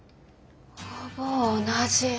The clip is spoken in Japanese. ほぼ同じ。